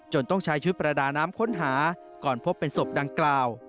ต้องใช้ชุดประดาน้ำค้นหาก่อนพบเป็นศพดังกล่าว